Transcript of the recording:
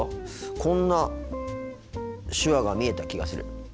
こんな手話が見えた気がする。